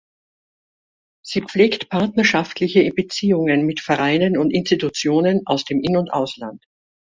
Sie pflegt partnerschaftliche Beziehungen mit Vereinen und Institutionen aus dem In- und Ausland.